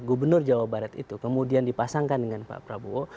gubernur jawa barat itu kemudian dipasangkan dengan pak prabowo